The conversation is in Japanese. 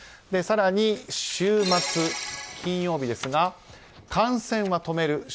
更に週末、金曜日ですが感染は止める。